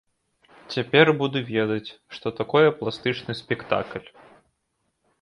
Цяпер буду ведаць, што такое пластычны спектакль.